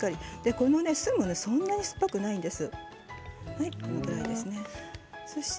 このお酢もそんなに酸っぱくないんです。